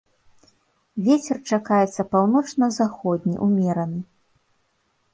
Вецер чакаецца паўночна-заходні ўмераны.